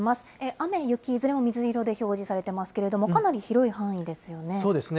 雨、雪、いずれも水色で表示されていますが、かなり広い範囲ですよね。